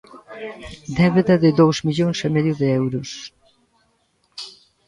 Débeda de dous millóns e medio de euros.